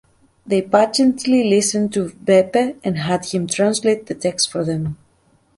They patiently listened to Beppe, and had him translate the text for them